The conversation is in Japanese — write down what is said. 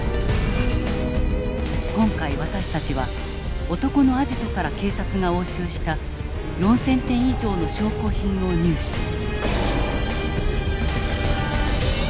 今回私たちは男のアジトから警察が押収した４，０００点以上の証拠品を入手。